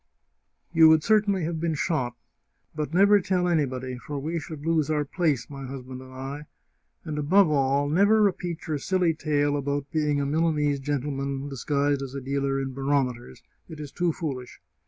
You would certainly have been shot. But never tell anybody, for we should lose our place, my husband and I. And, above all, never repeat your silly tale about being a Milanese gentleman dis guised as a dealer in barometers; it is too foolish!